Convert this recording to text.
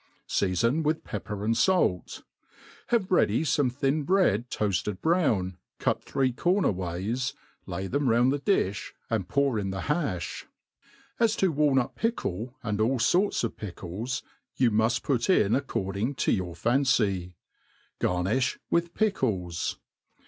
Seafon with pepper and fait. Hkve ready^ feme thin bread toafted brown, cut three corner ways, lay them round the di(h, and pour in the ha(h. As to walnut pickle, and all forts of pickles, you muft put in according to your fancy* Garni(h with pickles.